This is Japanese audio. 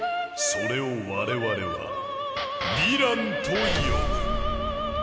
それを我々は「ヴィラン」と呼ぶ。